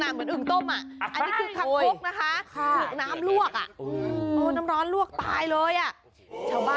มีอึ่งก็คือโหหน้าเหมือนอึ่งต้มอ่ะ